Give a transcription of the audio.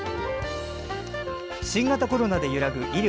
新型コロナで揺らぐ医療。